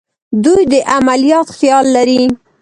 دوی د عملیاتو خیال لري.